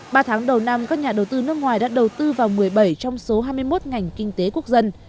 ba tháng đầu năm các nhà đầu tư nước ngoài đã đầu tư vào một mươi bảy trong số hai mươi một ngành kinh tế quốc dân